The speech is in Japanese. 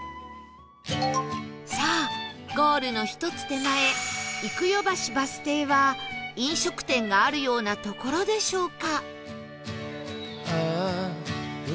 さあゴールの１つ手前幾世橋バス停は飲食店があるような所でしょうか？